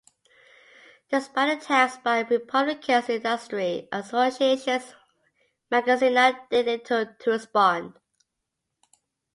Despite the attacks by Republicans and industry associations, Magaziner did little to respond.